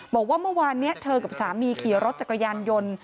บอกว่าเมื่อวานนี้เธอกับสามีขี่รถจักรยานยนต์